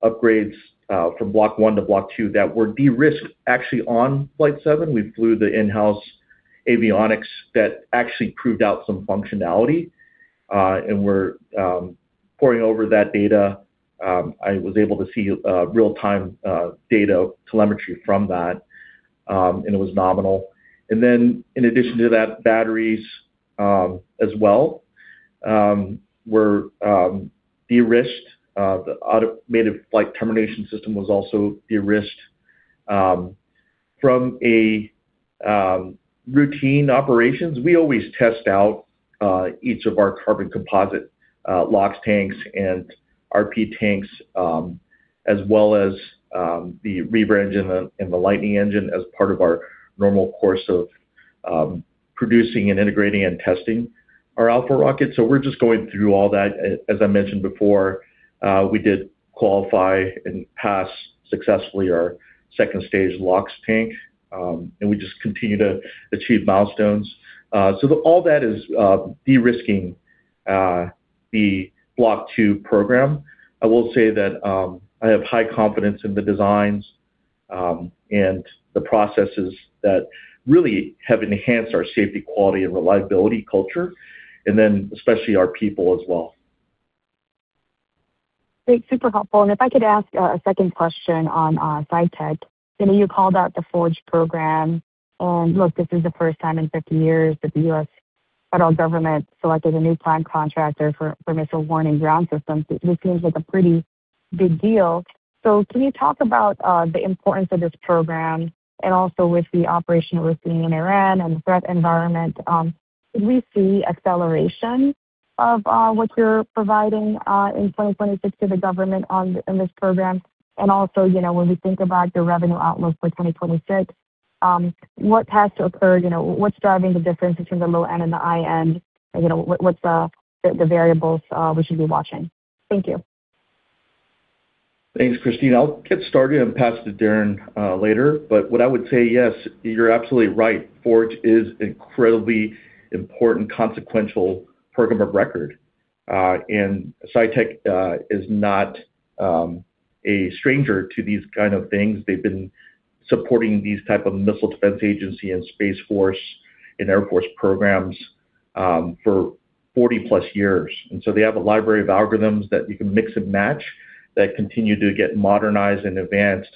upgrades from Block I to Block II that were de-risked actually on flight seven. We flew the in-house avionics that actually proved out some functionality, and we're poring over that data. I was able to see real-time data telemetry from that, and it was nominal. In addition to that, batteries as well were de-risked. The automated flight termination system was also de-risked. From a routine operations, we always test out each of our carbon composite LOX tanks and RP tanks as well as the Reaver engine and the Lightning engine as part of our normal course of producing and integrating and testing our Alpha rockets. We're just going through all that. As I mentioned before, we did qualify and pass successfully our second-stage LOX tank. We just continue to achieve milestones. All that is de-risking the Block II program. I will say that, I have high confidence in the designs, and the processes that really have enhanced our safety, quality, and reliability culture, and then especially our people as well. Great. Super helpful. If I could ask a second question on SciTec. You called out the FORGE program. Look, this is the first time in 50 years that the U.S. federal government selected a new prime contractor for missile warning ground systems. This seems like a pretty big deal. Can you talk about the importance of this program and also with the operation we're seeing in Iran and the threat environment, could we see acceleration of what you're providing in 2026 to the government in this program? Also when we think about the revenue outlook for 2026. What has to occur, what's driving the difference between the low end and the high end? What's the variables we should be watching? Thank you. Thanks, Kristine. I'll get started and pass it to Darren later. What I would say, yes, you're absolutely right. FORGE is incredibly important consequential program of record. SciTec is not a stranger to these kind of things. They've been supporting these type of Missile Defense Agency and Space Force and Air Force programs for 40+ years. They have a library of algorithms that you can mix and match that continue to get modernized and advanced.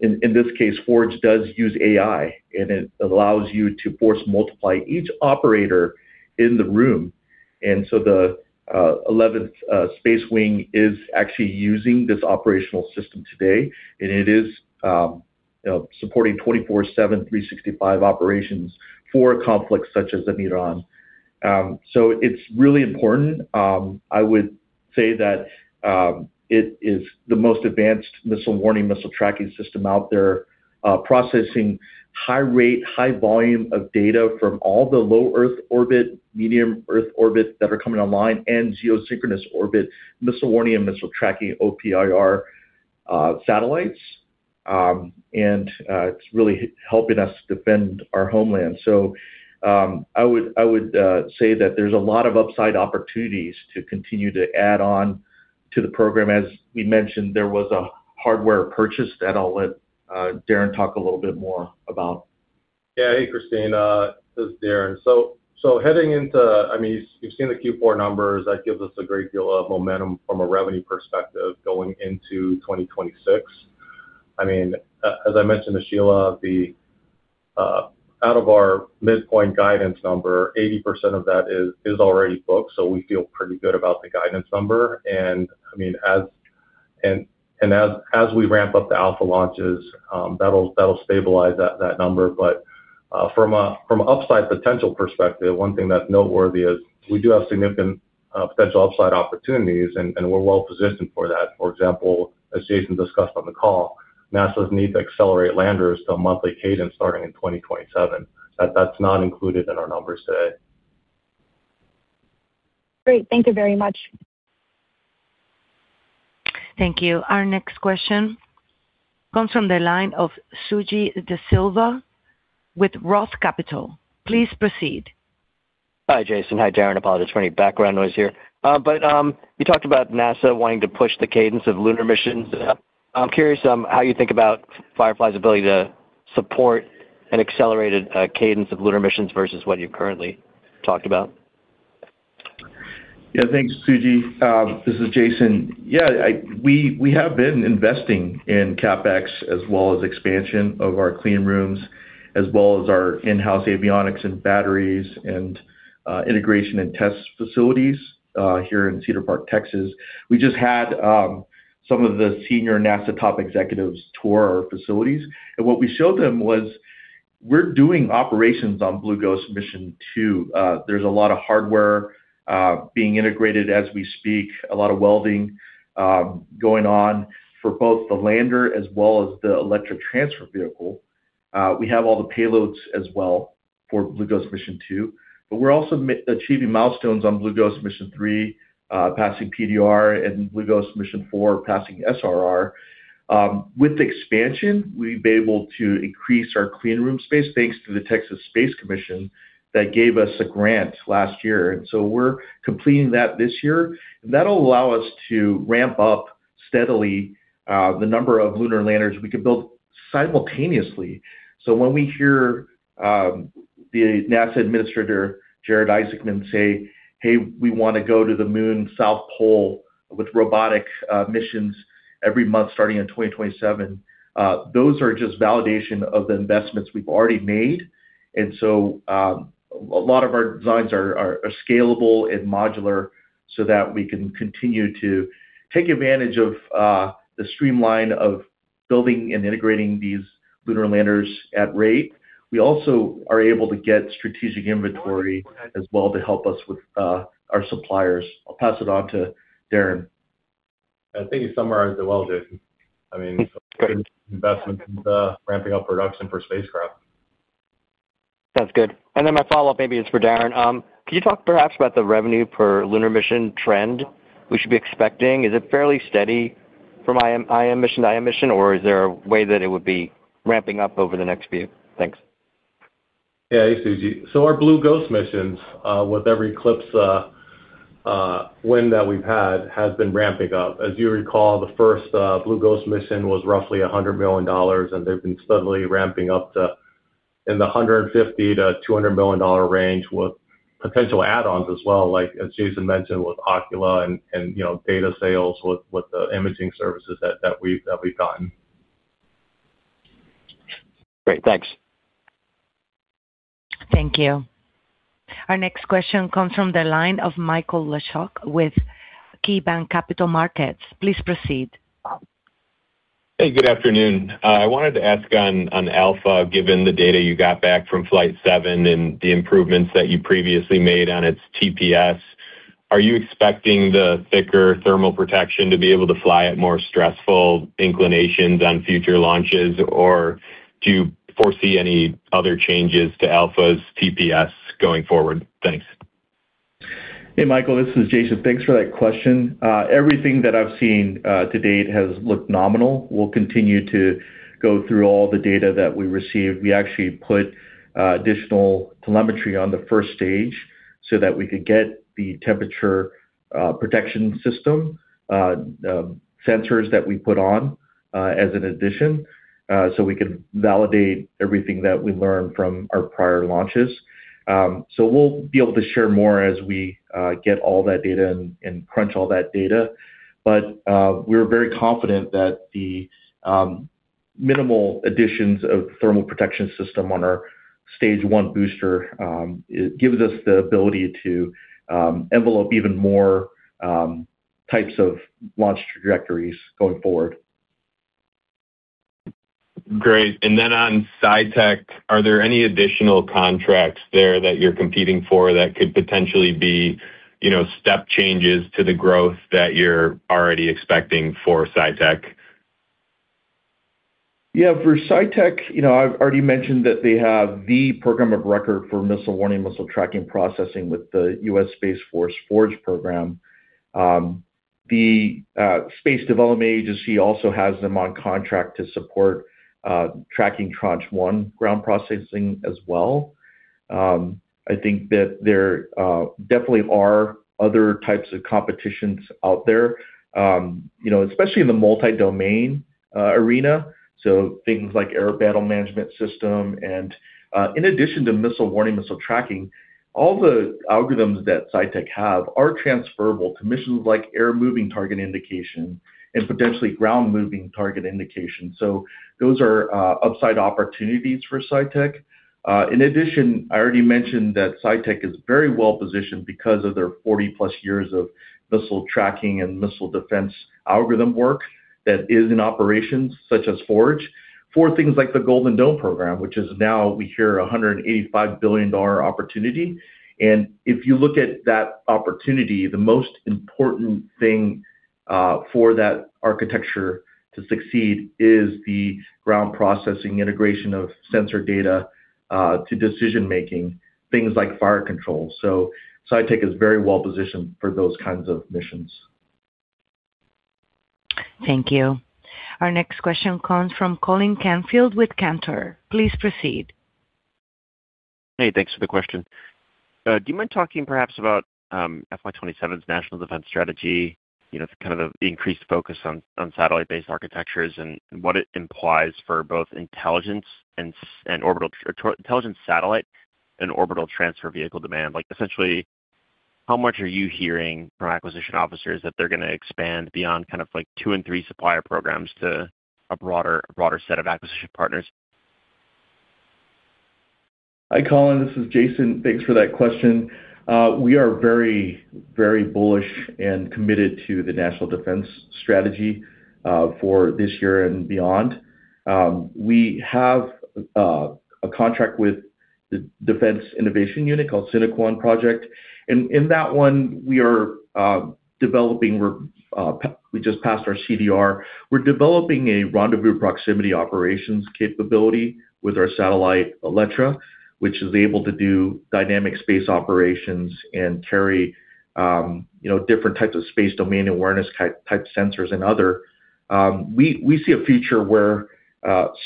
In this case, FORGE does use AI, and it allows you to force multiply each operator in the room. The 11th Space Wing is actually using this operational system today, and it is supporting 24/7, 365 operations for a conflict such as in Iran. It's really important. I would say that it is the most advanced missile warning, missile tracking system out there, processing high rate, high volume of data from all the low Earth orbit, medium Earth orbit that are coming online, and geosynchronous orbit, missile warning and missile tracking, OPIR satellites. It's really helping us defend our homeland. I would say that there's a lot of upside opportunities to continue to add on to the program. As we mentioned, there was a hardware purchase that I'll let Darren talk a little bit more about. Yeah. Hey, Kristine, this is Darren. Heading into, I mean, you've seen the Q4 numbers. That gives us a great deal of momentum from a revenue perspective going into 2026. I mean, as I mentioned to Sheila, out of our midpoint guidance number, 80% of that is already booked, so we feel pretty good about the guidance number. I mean, as we ramp up the Alpha launches, that'll stabilize that number. From a upside potential perspective, one thing that's noteworthy is we do have significant potential upside opportunities, and we're well positioned for that. For example, as Jason discussed on the call, NASA's need to accelerate landers to a monthly cadence starting in 2027. That's not included in our numbers today. Great. Thank you very much. Thank you. Our next question comes from the line of Suji Desilva with ROTH Capital. Please proceed. Hi, Jason. Hi, Darren. I apologize for any background noise here. You talked about NASA wanting to push the cadence of lunar missions. I'm curious how you think about Firefly's ability to support an accelerated cadence of lunar missions versus what you currently talked about. Yeah. Thanks, Suji. This is Jason. Yeah. We have been investing in CapEx as well as expansion of our clean rooms, as well as our in-house avionics and batteries and integration and test facilities here in Cedar Park, Texas. We just had some of the senior NASA top executives tour our facilities. What we showed them was we're doing operations on Blue Ghost Mission 2. There's a lot of hardware being integrated as we speak. A lot of welding going on for both the lander as well as the Elytra transfer vehicle. We have all the payloads as well for Blue Ghost Mission 2. We're also achieving milestones on Blue Ghost Mission 3, passing PDR and Blue Ghost Mission 4 passing SRR. With expansion, we'll be able to increase our clean room space thanks to the Texas Space Commission that gave us a grant last year. We're completing that this year. That'll allow us to ramp up steadily the number of lunar landers we can build simultaneously. When we hear the NASA administrator, Bill Nelson say, "Hey, we wanna go to the Moon's South Pole with robotic missions every month starting in 2027," those are just validation of the investments we've already made. A lot of our designs are scalable and modular so that we can continue to take advantage of the streamline of building and integrating these lunar landers at rate. We also are able to get strategic inventory as well to help us with our suppliers. I'll pass it on to Darren. I think you summarized it well, Jason. I mean. Investments into ramping up production for spacecraft. Sounds good. My follow-up maybe is for Darren. Can you talk perhaps about the revenue per lunar mission trend we should be expecting? Is it fairly steady from BGM mission to BGM mission, or is there a way that it would be ramping up over the next few? Thanks. Yeah. Hey, Suji. Our Blue Ghost missions with every one that we've had has been ramping up. As you recall, the first Blue Ghost mission was roughly $100 million, and they've been steadily ramping up to in the $150-$200 million range with potential add-ons as well, like as Jason mentioned with Ocula and data sales with the imaging services that we've gotten. Great. Thanks. Thank you. Our next question comes from the line of Michael Leshock with KeyBanc Capital Markets. Please proceed. Hey, good afternoon. I wanted to ask on Alpha, given the data you got back from Flight 7 and the improvements that you previously made on its TPS. Are you expecting the thicker thermal protection to be able to fly at more stressful inclinations on future launches? Or do you foresee any other changes to Alpha's TPS going forward? Thanks. Hey, Michael, this is Jason. Thanks for that question. Everything that I've seen to date has looked nominal. We'll continue to go through all the data that we received. We actually put additional telemetry on the first stage so that we could get the temperature protection system sensors that we put on as an addition so we can validate everything that we learned from our prior launches. We'll be able to share more as we get all that data and crunch all that data. We're very confident that the minimal additions of thermal protection system on our stage one booster it gives us the ability to envelope even more types of launch trajectories going forward. Great. On SciTec, are there any additional contracts there that you're competing for that could potentially be step changes to the growth that you're already expecting for SciTec? Yeah. For SciTec, I've already mentioned that they have the program of record for missile warning, missile tracking processing with the U.S. Space Force FORGE program. The Space Development Agency also has them on contract to support tracking Tranche 1 ground processing as well. I think that there definitely are other types of competitions out there especially in the multi-domain arena, so things like air battle management system. In addition to missile warning, missile tracking, all the algorithms that SciTec have are transferable to missions like air-moving target indication and potentially ground-moving target indication. Those are upside opportunities for SciTec. In addition, I already mentioned that SciTec is very well-positioned because of their 40+ years of missile tracking and missile defense algorithm work that is in operations such as FORGE for things like the Golden Dome program, which is now we hear a $185 billion-dollar opportunity. If you look at that opportunity, the most important thing, for that architecture to succeed is the ground processing integration of sensor data to decision-making, things like fire control. SciTec is very well positioned for those kinds of missions. Thank you. Our next question comes from Colin Canfield with Cantor. Please proceed. Hey, thanks for the question. Do you mind talking perhaps about FY 2027's national defense strategy, kind of the increased focus on satellite-based architectures and what it implies for both intelligence satellite and orbital transfer vehicle demand? Like, essentially, how much are you hearing from acquisition officers that they're gonna expand beyond kind of like two and three supplier programs to a broader set of acquisition partners? Hi, Colin, this is Jason. Thanks for that question. We are very, very bullish and committed to the national defense strategy for this year and beyond. We have a contract with the Defense Innovation Unit called SINEQUONE project. In that one, we are developing. We just passed our CDR. We're developing a rendezvous proximity operations capability with our satellite, Elytra, which is able to do dynamic space operations and carry different types of space domain awareness type sensors and other. We see a future where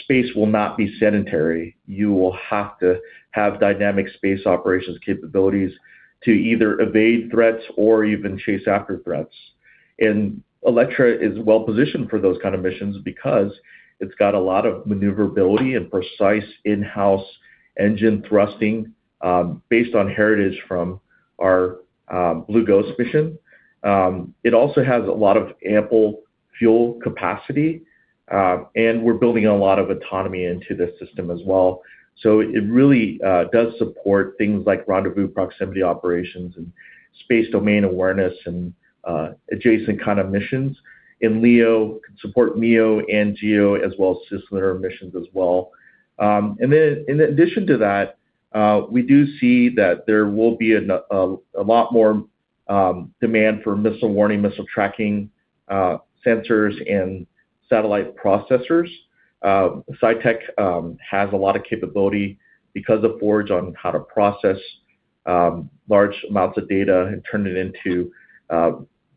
space will not be sedentary. You will have to have dynamic space operations capabilities to either evade threats or even chase after threats. Elytra is well positioned for those kind of missions because it's got a lot of maneuverability and precise in-house engine thrusting, based on heritage from our Blue Ghost mission. It also has a lot of ample fuel capacity, and we're building a lot of autonomy into the system as well. It really does support things like rendezvous proximity operations and space domain awareness and adjacent kind of missions. LEO can support NEO and GEO as well as cislunar missions as well. In addition to that, we do see that there will be a lot more demand for missile warning, missile tracking, sensors and satellite processors. SciTec has a lot of capability because of FORGE on how to process large amounts of data and turn it into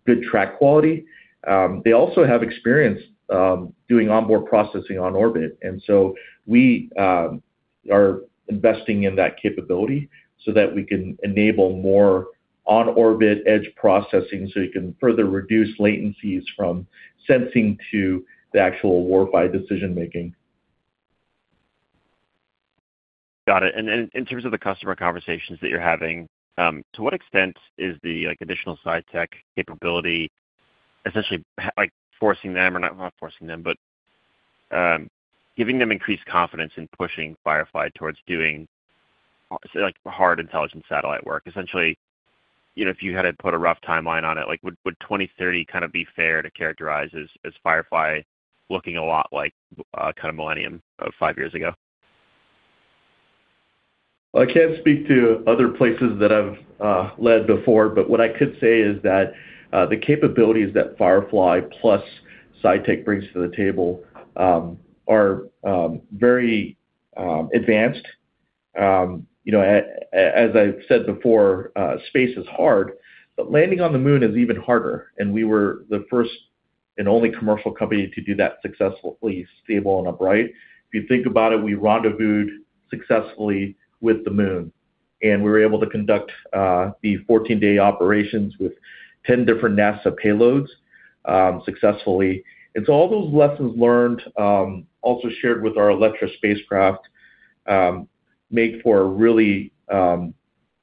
good track quality. They also have experience doing onboard processing on orbit. We are investing in that capability so that we can enable more on-orbit edge processing so we can further reduce latencies from sensing to the actual war fight decision-making. Got it. In terms of the customer conversations that you're having, to what extent is the, like, additional SciTec capability essentially like forcing them or not forcing them, but giving them increased confidence in pushing Firefly towards doing, say, like hard intelligence satellite work? Essentially, if you had to put a rough timeline on it, like would 2030 kind of be fair to characterize as Firefly looking a lot like, kind of Millennium of five years ago? I can't speak to other places that I've led before, but what I could say is that the capabilities that Firefly plus SciTec brings to the table are very advanced. As I've said before, space is hard, but landing on the moon is even harder. We were the first and only commercial company to do that successfully, stable and upright. If you think about it, we rendezvoused successfully with the moon, and we were able to conduct the 14-day operations with 10 different NASA payloads successfully. It's all those lessons learned, also shared with our Elytra spacecraft, make for a really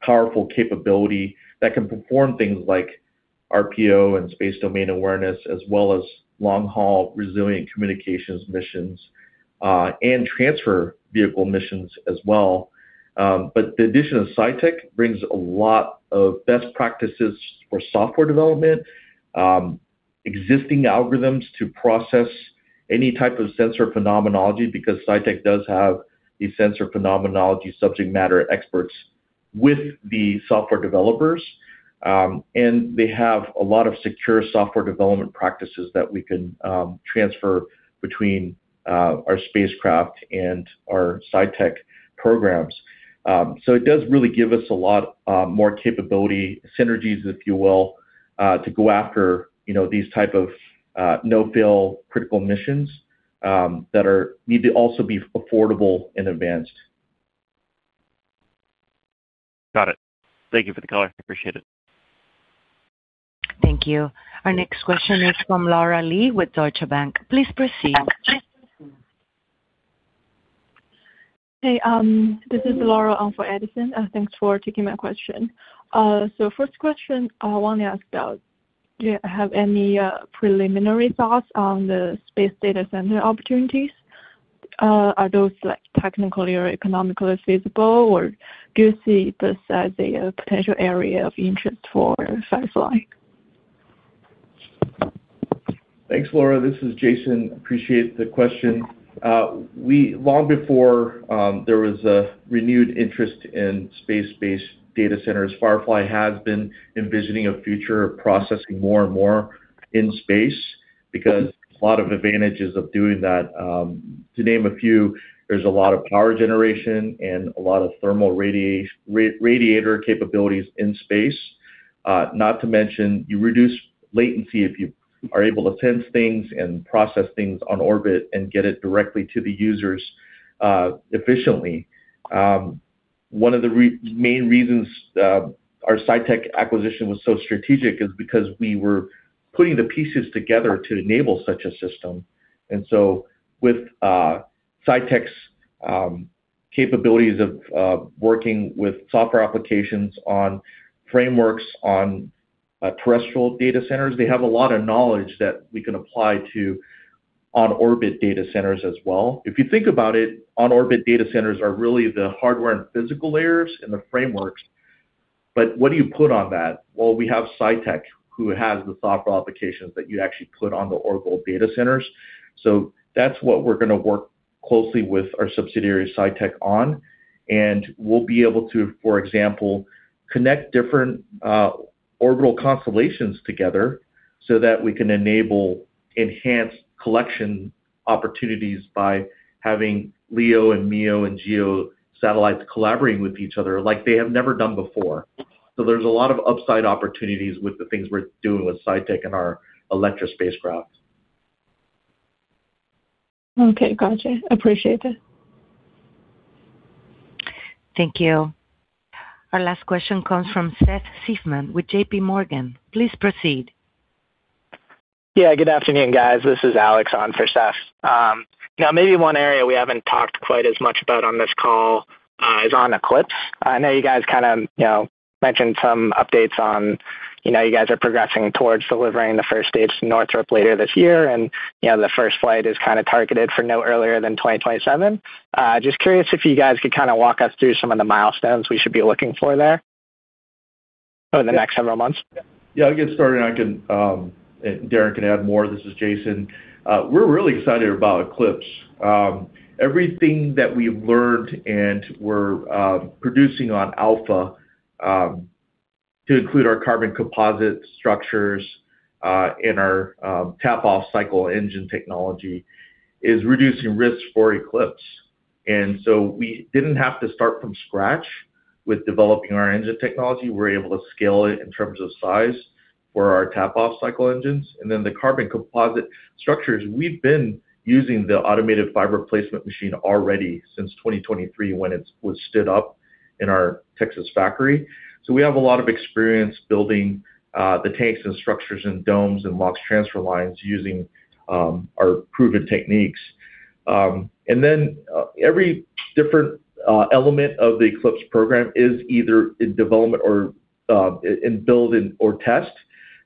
powerful capability that can perform things like RPO and space domain awareness as well as long-haul resilient communications missions and transfer vehicle missions as well. The addition of SciTec brings a lot of best practices for software development, existing algorithms to process any type of sensor phenomenology because SciTec does have the sensor phenomenology subject matter experts with the software developers. They have a lot of secure software development practices that we can transfer between our spacecraft and our SciTec programs. It does really give us a lot more capability synergies, if you will, to go after, these type of no-fail critical missions that need to also be affordable and advanced. Got it. Thank you for the color. Appreciate it. Thank you. Our next question is from Laura Li with Deutsche Bank. Please proceed. Hey, this is Laura Li on for Edison Yu. Thanks for taking my question. First question I wanted to ask about, do you have any preliminary thoughts on the space data center opportunities? Are those, like, technically or economically feasible, or do you see this as a potential area of interest for Firefly? Thanks, Laura. This is Jason. Appreciate the question. Long before there was a renewed interest in space-based data centers, Firefly has been envisioning a future of processing more and more in space because a lot of advantages of doing that. To name a few, there's a lot of power generation and a lot of thermal radiator capabilities in space. Not to mention you reduce latency if you are able to sense things and process things on orbit and get it directly to the users efficiently. One of the main reasons our SciTec acquisition was so strategic is because we were putting the pieces together to enable such a system. With SciTec's capabilities of working with software applications on frameworks on terrestrial data centers, they have a lot of knowledge that we can apply to on-orbit data centers as well. If you think about it, on-orbit data centers are really the hardware and physical layers and the frameworks, but what do you put on that? Well, we have SciTec, who has the software applications that you actually put on the orbital data centers. That's what we're gonna work closely with our subsidiary SciTec on, and we'll be able to, for example, connect different orbital constellations together so that we can enable enhanced collection opportunities by having LEO and MEO and GEO satellites collaborating with each other like they have never done before. There's a lot of upside opportunities with the things we're doing with SciTec and our Elytra spacecraft. Okay. Gotcha. Appreciate it. Thank you. Our last question comes from Seth Seifman with JPMorgan Chase & Co. Please proceed. Yeah, good afternoon, guys. This is Alex on for Seth. Now maybe one area we haven't talked quite as much about on this call is on Eclipse. I know you guys kinda mentioned some updates on you guys are progressing towards delivering the first stage to Northrop later this year. The first flight is kinda targeted for no earlier than 2027. Just curious if you guys could kinda walk us through some of the milestones we should be looking for there over the next several months. Yeah, I'll get started. I can, and Darren can add more. This is Jason. We're really excited about Eclipse. Everything that we've learned and we're producing on Alpha, to include our carbon composite structures, and our tap off cycle engine technology is reducing risks for Eclipse. We didn't have to start from scratch with developing our engine technology. We're able to scale it in terms of size for our tap off cycle engines. The carbon composite structures, we've been using the automated fiber placement machine already since 2023 when it was stood up in our Texas factory. We have a lot of experience building the tanks and structures and domes and LOX transfer lines using our proven techniques. Every different element of the Eclipse program is either in development or in building or test.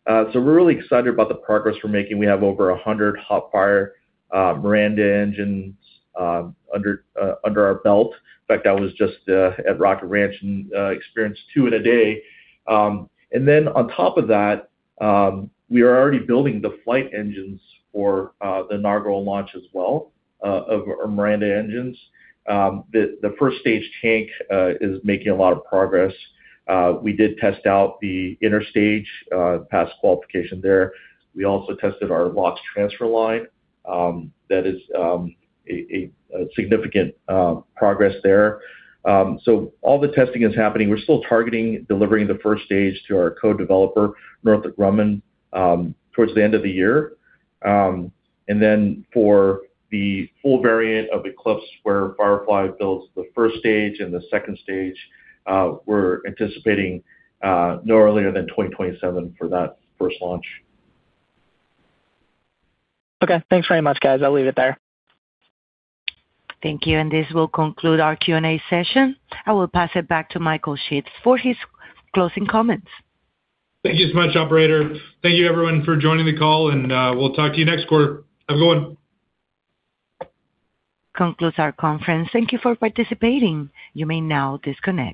We're really excited about the progress we're making. We have over 100 hot fire Miranda engines under our belt. In fact, I was just at Rocket Ranch and experienced two in a day. On top of that, we are already building the flight engines for the inaugural launch as well of our Miranda engines. The first stage tank is making a lot of progress. We did test out the inner stage pass qualification there. We also tested our LOX transfer line that is a significant progress there. All the testing is happening. We're still targeting delivering the first stage to our co-developer, Northrop Grumman, towards the end of the year. For the full variant of Eclipse, where Firefly builds the first stage and the second stage, we're anticipating no earlier than 2027 for that first launch. Okay. Thanks very much, guys. I'll leave it there. Thank you. This will conclude our Q&A session. I will pass it back to Michael Sheetz for his closing comments. Thank you so much, operator. Thank you everyone for joining the call, and we'll talk to you next quarter. Have a good one. Concludes our conference. Thank you for participating. You may now disconnect.